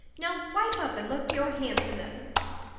Now wipe up and look your handsomest!"